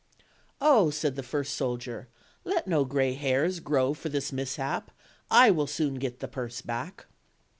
"Oh!" said the first soldier, "let no gray hairs grow for this mishap; I will soon get the purse back."